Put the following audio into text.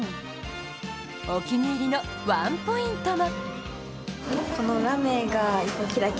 お気に入りのワンポイントも。